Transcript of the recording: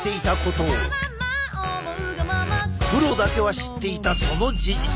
プロだけは知っていたその事実。